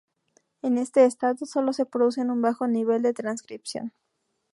En este estado, sólo se produce un bajo nivel de transcripción.